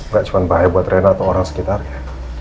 gak cuma bahaya buat rena atau orang sekitarnya